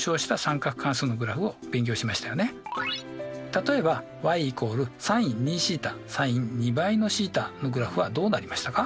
例えばｙ＝ｓｉｎ２θｓｉｎ２倍のθのグラフはどうなりましたか？